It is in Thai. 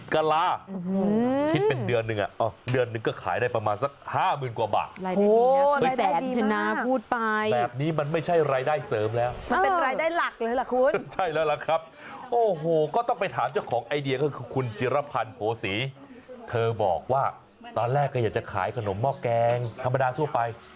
กะลาคิดเป็นเดือนหนึ่งอ่ะเดือนหนึ่งก็ขายได้ประมาณสักห้าหมื่นกว่าบาทคุณชนะพูดไปแบบนี้มันไม่ใช่รายได้เสริมแล้วมันเป็นรายได้หลักเลยล่ะคุณใช่แล้วล่ะครับโอ้โหก็ต้องไปถามเจ้าของไอเดียก็คือคุณจิรพันธ์โภษีเธอบอกว่าตอนแรกก็อยากจะขายขนมหม้อแกงธรรมดาทั่วไป